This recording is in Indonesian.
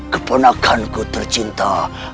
keponakan ku tercinta